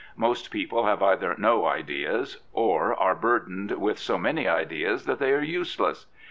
Most people have either no ideas or are burdened with so many ideas that they are useless.